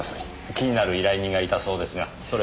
気になる依頼人がいたそうですがそれは？